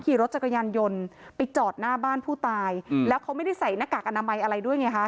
ขี่รถจักรยานยนต์ไปจอดหน้าบ้านผู้ตายแล้วเขาไม่ได้ใส่หน้ากากอนามัยอะไรด้วยไงฮะ